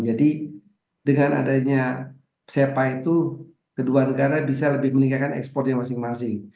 jadi dengan adanya sepa itu kedua negara bisa lebih meningkatkan ekspornya masing masing